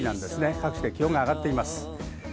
各地で気温が上がっています。